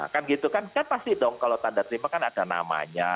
kan gitu kan kan pasti dong kalau tanda terima kan ada namanya